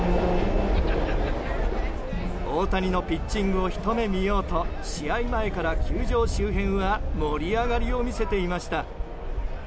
大谷のピッチングをひと目見ようと試合前から球場周辺は盛り上がりを見せていました。